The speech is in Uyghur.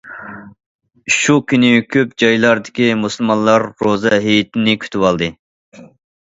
شۇ كۈنى، كۆپ جايلاردىكى مۇسۇلمانلار روزا ھېيتنى كۈتۈۋالدى.